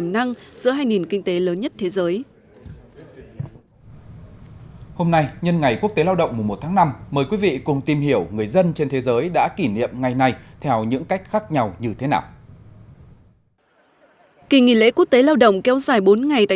năng giữa hai nền kinh tế lớn nhất thế giới kỳ nghỉ lễ quốc tế lao động kéo dài bốn ngày tại